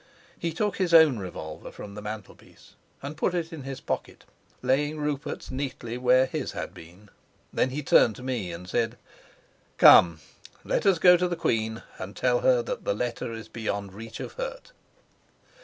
He took his own revolver from the mantelpiece and put it in his pocket, laying Rupert's neatly where his had been. Then he turned to me and said: "Come, let us go to the queen and tell her that the letter is beyond reach of hurt."